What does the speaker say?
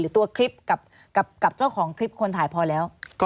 ตัวคลิปกับเจ้าของคลิปคนถ่ายพอแล้ว